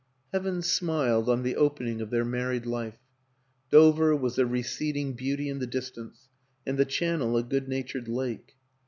Heaven smiled on the opening of their married life; Dover was a receding beauty in the distance and the Channel a good natured lake.